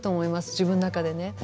自分の中でね。